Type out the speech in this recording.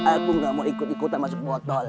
aku gak mau ikut ikutan masuk botol